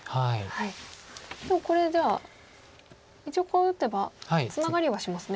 でもこれじゃあ一応こう打てばツナがりはしますね。